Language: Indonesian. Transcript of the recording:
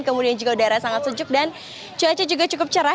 kemudian juga udara sangat sejuk dan cuaca juga cukup cerah